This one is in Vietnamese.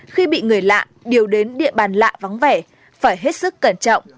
khi bị người lạ điều đến địa bàn lạ vắng vẻ phải hết sức cẩn trọng